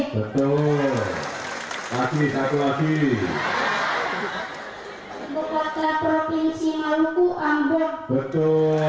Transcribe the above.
ibu kota provinsi sulawesi tengah palu